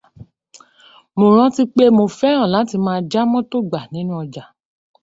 Mo rántí pé mo fẹ́ràn láti maa já mọ́tò gbà nínú ọjà